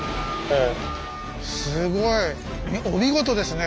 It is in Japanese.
すごい！お見事ですね